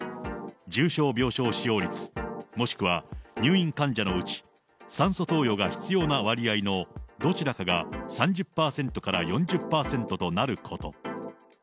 重症病床使用率、もしくは入院患者のうち、酸素投与が必要な割合のどちらかが３０％から４０％となること。